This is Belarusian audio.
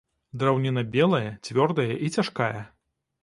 Драўніна белая, цвёрдая і цяжкая.